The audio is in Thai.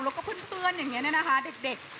แล้วก็เพื่อนอย่างนี้เนี่ยนะคะเด็ก